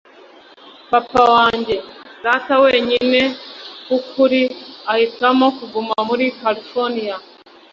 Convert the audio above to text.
papa wanjye - data wenyine w'ukuri - ahitamo kuguma muri California.